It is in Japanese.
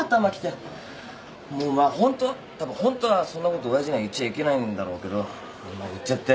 もうまあホントはたぶんホントはそんなこと親父には言っちゃいけないんだろうけどまあ言っちゃって。